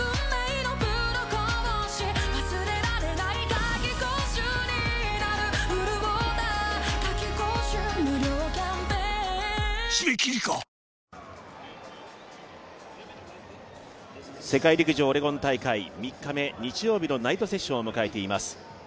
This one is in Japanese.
「ＭＡＲＥ」家は生きる場所へ世界陸上オレゴン大会３日目日曜日のナイトセッションを迎えています。